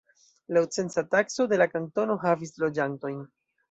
Laŭ censa takso de la kantono havis loĝantojn.